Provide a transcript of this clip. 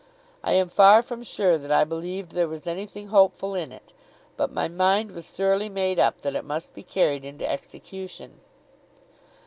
I am far from sure that I believed there was anything hopeful in it, but my mind was thoroughly made up that it must be carried into execution.